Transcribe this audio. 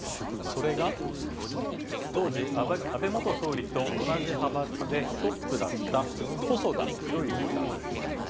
それが、当時安倍元総理と同じ派閥で、トップだった、細田博之さんです。